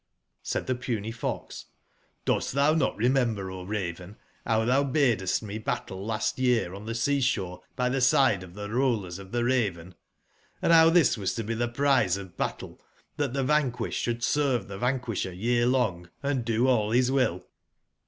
Said tbe Puny fox: '*Dost tbou not remcmber^O Raven, bow tbou badestme battle last year on tbe sea/sbore by tbe side of tbe Rollers of tbe Raven ? and bow tbis was to be tbe prize of battle, tbat tbe vanquisbed sbould serve tbe vanquisber year/long, and do all bis will?